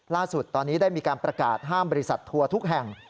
ล่าสุดตอนนี้ได้มีการประกาศห้ามบริษัททัวร์ทุกแห่ง